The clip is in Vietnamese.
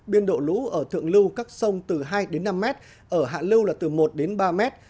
biên độ lũ ở thượng lưu các sông từ hai đến năm mét ở hạ lưu là từ một đến ba mét